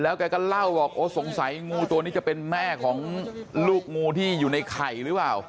แกก็เล่าบอกโอ้สงสัยงูตัวนี้จะเป็นแม่ของลูกงูที่อยู่ในไข่หรือเปล่า